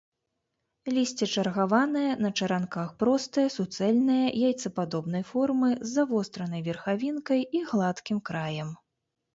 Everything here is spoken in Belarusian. Лісце чаргаванае, на чаранках, простае, суцэльнае, яйцападобнай формы, з завостранай верхавінкай і гладкім краем.